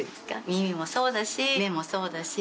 耳もそうだし目もそうだし。